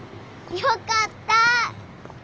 よかった！